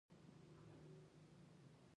وژنه د شرم نه ډکه کیسه ده